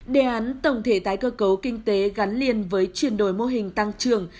đề án tổng thể tái cơ cấu kinh tế gắn liền với chuyển đổi mô hình tăng trưởng